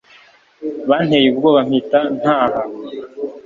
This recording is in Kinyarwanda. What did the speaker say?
banteye ubwoba mpita ntaha